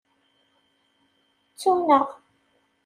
Ttun-aɣ.